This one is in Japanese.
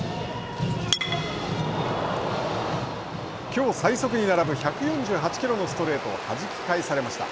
きょう最速に並ぶ１４８キロのストレートをはじき返されました。